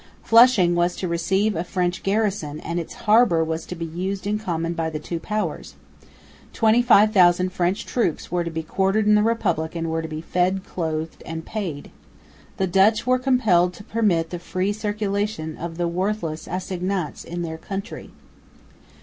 Flushing was to receive a French garrison, and its harbour was to be used in common by the two powers; 25,000 French troops were to be quartered in the Republic and were to be fed, clothed and paid. The Dutch were compelled to permit the free circulation of the worthless assignats in their country.